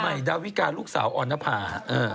ไหมดาวิกาลูกสาวอรพา